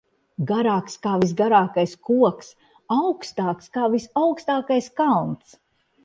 Garāks kā visgarākais koks, augstāks kā visaugstākais kalns.